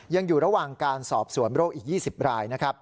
ยังอยู่ระหว่างการสอบสวนโรคอีก๒๐รายนะครับ